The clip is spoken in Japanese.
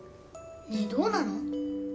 ねえどうなの？